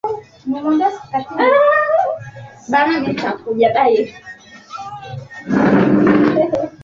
Amepanda ndege jana